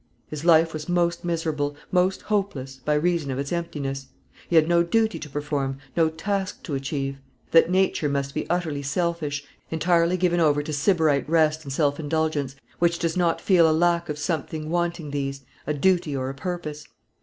His life was most miserable, most hopeless, by reason of its emptiness. He had no duty to perform, no task to achieve. That nature must be utterly selfish, entirely given over to sybarite rest and self indulgence, which does not feel a lack of something wanting these, a duty or a purpose.